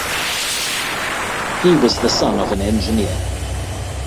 He was the son of an engineer.